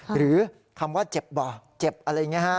หรือคำว่าเจ็บบอกเจ็บอะไรเงี้ยฮะ